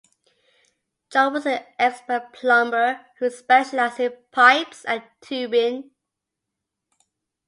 John was an expert plumber who specialized in pipes and tubing.